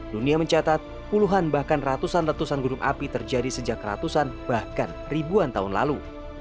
dunia mencatat puluhan bahkan ratusan ratusan gunung api terjadi sejak ratusan bahkan ribuan tahun lalu